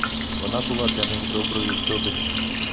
Вона була для них доброю здобиччю.